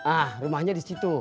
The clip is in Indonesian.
ah rumahnya di situ